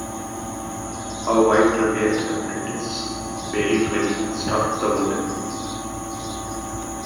A white repair apprentice, Billy Fleming struck the woman.